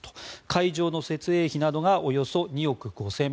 会場の設営費などがおよそ２億５０００万円。